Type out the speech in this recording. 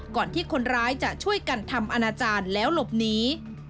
ก่อนที่คนร้ายจะช่วยกันทำอนาจารย์แล้วหลบหนี